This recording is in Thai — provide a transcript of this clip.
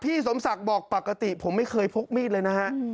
สมศักดิ์บอกปกติผมไม่เคยพกมีดเลยนะฮะ